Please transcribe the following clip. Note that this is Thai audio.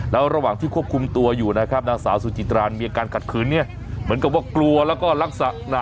แล้วระหว่างที่ควบคุมตัวอยู่นะครับนางสาวสุจิตรานมีอาการขัดขืนเนี่ยเหมือนกับว่ากลัวแล้วก็ลักษณะ